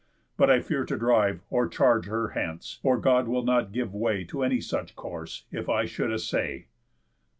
But I fear to drive Or charge her hence; for God will not give way To any such course, if I should assay."